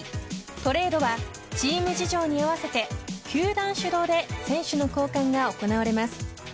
トレードはチーム事情に合わせて球団主導で選手の交換が行われます。